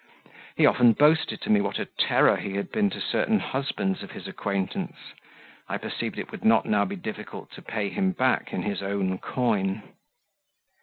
He often boasted to me what a terror he had been to certain husbands of his acquaintance; I perceived it would not now be difficult to pay him back in his own coin.